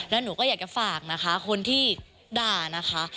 แล้วหนูก็อยากจะฝากนะคะคนที่ด่านะคะ